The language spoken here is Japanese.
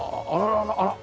ああ